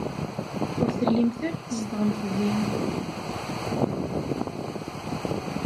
Ur tellimt ara tzedɣemt din.